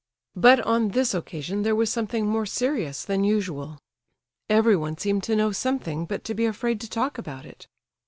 But on this occasion there was something more serious than usual. Everyone seemed to know something, but to be afraid to talk about it.